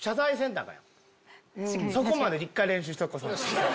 そこまで１回練習しとこう。